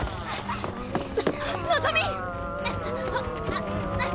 のぞみ！